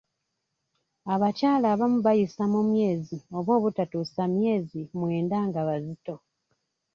Abakyala abamu bayisa mu myezi oba obutatuusa myezi mwenda nga bazito.